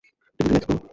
তুমি রিল্যাক্স করো।